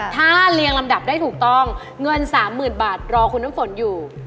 ถ้าเรียงลำดับได้ถูกต้องเงิน๓๐๐๐บาทรอคุณน้ำฝนอยู่